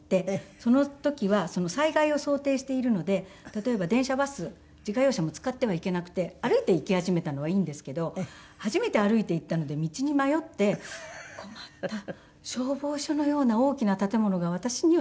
その時は災害を想定しているので例えば電車バス自家用車も使ってはいけなくて歩いて行き始めたのはいいんですけど初めて歩いて行ったので道に迷って困った消防署のような大きな建物が私には見つけられないと思って。